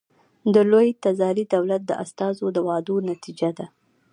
د لوی تزاري دولت د استازو د وعدو نتیجه ده.